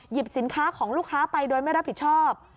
สินค้าของลูกค้าไปโดยไม่รับผิดชอบ